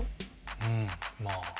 うんまあ